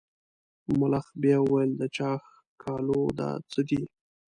ملخ بیا وویل د چا ښکالو ده څه دي.